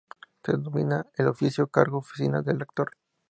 Se denomina al oficio, cargo y oficina del rector.